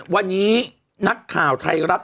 วันนี้นักข่าวไทยรัฐ